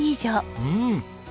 うん。